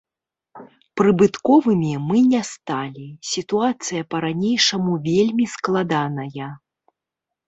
Прыбытковымі мы не сталі, сітуацыя па-ранейшаму вельмі складаная.